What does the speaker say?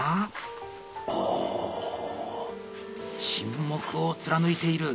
お沈黙を貫いている。